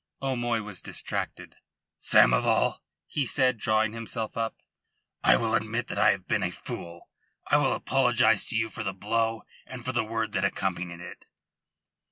O'Moy was distracted. "Samoval," he said, drawing himself up, "I will admit that I have been a fool. I will apologise to you for the blow and for the word that accompanied it."